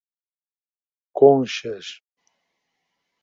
Conchas